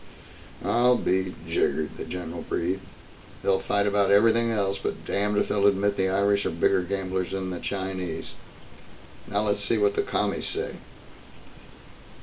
"I'll be jiggered!" the general breathed. "They'll fight about everything else, but be damned if they'll admit the Irish are bigger gamblers than the Chinese! Now let's see what the Commies say."